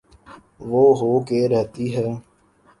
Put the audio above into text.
وہ ہو کے رہتی ہے۔